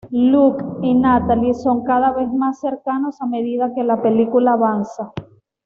Luke y Natalie son cada vez más cercanos a medida que la película avanza.